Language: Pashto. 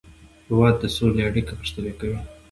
هېواد د سولې اړیکې غښتلې کوي.